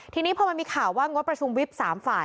ทีนี้พอมีข่าวว่างฮวดประชุมวิปสามฝ่าย